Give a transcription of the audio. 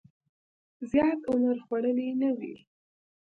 زیات عمر خوړلی نه وي.